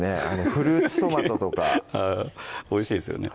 フルーツトマトとかあぁおいしいですよね